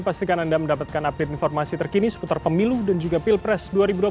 pastikan anda mendapatkan update informasi terkini seputar pemilu dan juga pilpres dua ribu dua puluh